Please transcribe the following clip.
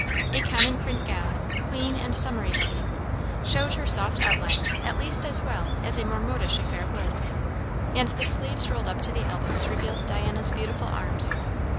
A common print gown, clean and summery looking, showed her soft outlines at least as well as a more modish affair would; and the sleeves rolled up to the elbows revealed Diana's beautiful arms.